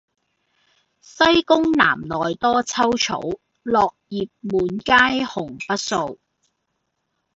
西宮南內多秋草，落葉滿階紅不掃。